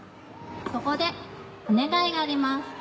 そこでお願いがあります。